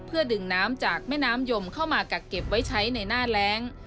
เพื่อดึงน้ำจากแม่น้ำยมเข้ามากักเก็บไว้ใช้ในหน้าแรง